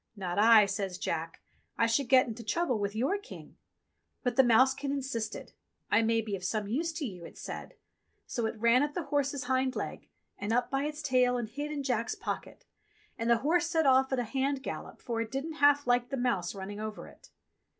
"Not I," says Jack. "I should get into trouble with your King." But the mousekin insisted. "I may be of some use to you," it said. So it ran up the horse's hind leg and up by its tail and hid in Jack's pocket. And the horse set off at a hand gallop, for it didn't half like the mouse running over it.